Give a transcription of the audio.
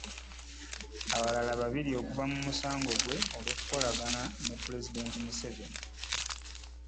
Abalala babiri okuva mu musango gwe olw'okukolagana ne Pulezidenti Museveni.